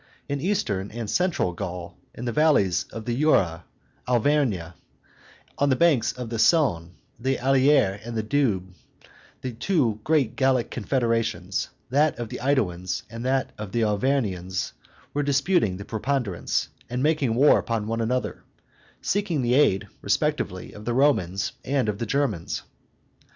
In eastern and central Gaul, in the valleys of the Jura and Auvergne, on the banks of the Saone, the Allier, and the Doubs, the two great Gallic confederations, that of the AEduans and that of the Arvernians, were disputing the preponderance, and making war one upon another, seeking the aid, respectively, of the Romans and of the Germans.